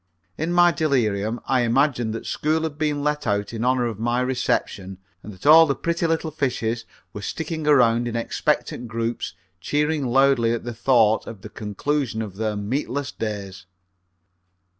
In my delirium I imagined that school had been let out in honor of my reception and that all the pretty little fishes were sticking around in expectant groups cheering loudly at the thought of the conclusion of their meatless days.